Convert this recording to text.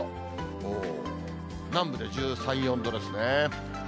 もう南部で１３、４度ですね。